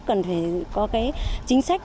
cần phải có cái chính sách